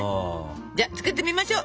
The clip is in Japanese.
じゃあ作ってみましょう。